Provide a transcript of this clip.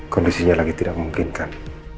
kondisinya lagi tidak memungkinkan